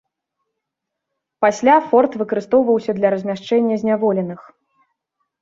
Пасля форт выкарыстоўваўся для размяшчэння зняволеных.